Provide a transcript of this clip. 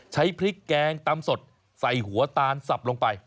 ใช้พริกแกงตำสดใส่หัวตาลสับลงไป